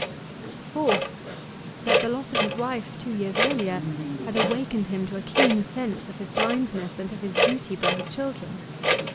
Fourth, that the loss of his wife two years earlier had awakened him to a keen sense of his blindness, and of his duty by his children.